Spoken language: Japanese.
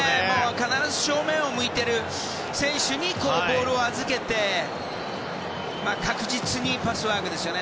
必ず正面を向いている選手にボールを預けて確実なパスワークですよね。